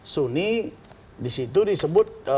suni disitu disebut